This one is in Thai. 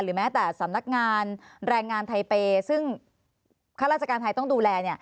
แม้แต่สำนักงานแรงงานไทเปย์ซึ่งข้าราชการไทยต้องดูแล